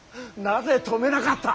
なぜ止めなかった！